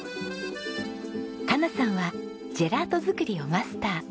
加奈さんはジェラート作りをマスター。